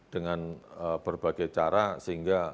dengan berbagai cara sehingga